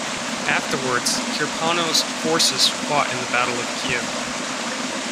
Afterwards, Kirponos' forces fought in the Battle of Kiev.